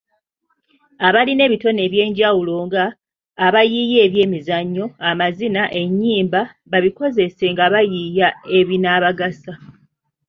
Abalina ebitone eby'enjawulo nga; abayiiya b'emizannyo, amazina, ennyimba babikozese nga bayiiya ebinaabagasa.